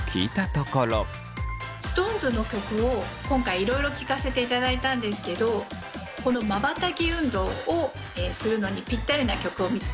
ＳｉｘＴＯＮＥＳの曲を今回いろいろ聞かせていただいたんですけどこのまばたき運動をするのにぴったりな曲を見つけました。